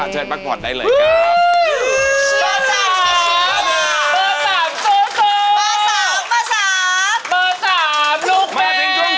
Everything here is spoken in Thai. พักผ่อนได้เลยครับ